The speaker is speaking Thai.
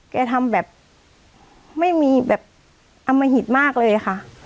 ทำแบบไม่มีแบบอมหิตมากเลยค่ะ